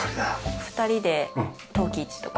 ２人で陶器市とか。